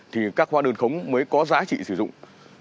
thì các hóa đơn khống mới có giá trị sử dụng